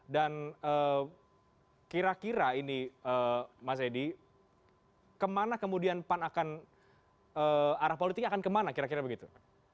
dan kira kira ini mas adi kemana kemudian pan akan arah politiknya akan kemana kira kira begitu